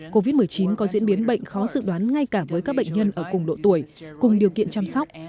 covid một mươi chín có diễn biến bệnh khó dự đoán ngay cả với các bệnh nhân ở cùng độ tuổi cùng điều kiện chăm sóc